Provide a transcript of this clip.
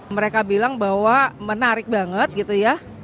mereka bilang bahwa menarik banget gitu ya